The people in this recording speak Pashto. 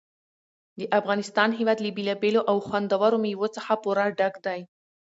د افغانستان هېواد له بېلابېلو او خوندورو مېوو څخه پوره ډک دی.